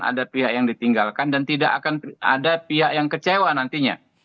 ada pihak yang ditinggalkan dan tidak akan ada pihak yang kecewa nantinya